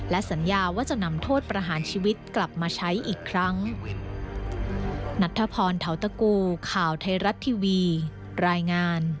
และสัญญาว่าจะนำโทษประหารชีวิตกลับมาใช้อีกครั้ง